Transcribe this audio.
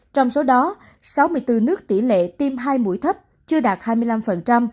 trong số đó sáu mươi bốn nước tỷ lệ tiêm hai mũi thấp chưa đạt hai mươi năm